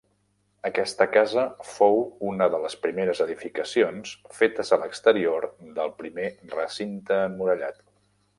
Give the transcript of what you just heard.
Aquesta casa fou una de les primeres edificacions fetes a l'exterior del primer recinte emmurallat.